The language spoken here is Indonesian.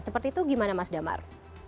seperti itu gimana mas damar